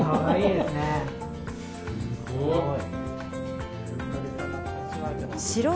すごい！